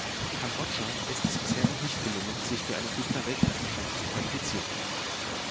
Kambodscha ist es bisher noch nicht gelungen, sich für eine Fußball-Weltmeisterschaft zu qualifizieren.